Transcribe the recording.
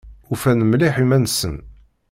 Ufan mliḥ iman-nsen.